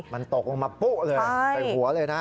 มันตกลงมาปุ๊เลยใส่หัวเลยนะ